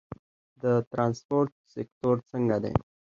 د ترانسپورت سکتور څنګه دی؟